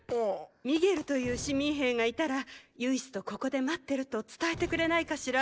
ミゲルという市民兵がいたらユイスとここで待ってると伝えてくれないかしら？